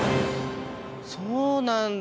そうなんだ。